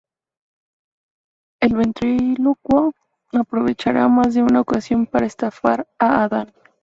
El ventrílocuo aprovechará más de una ocasión para estafar a Adán.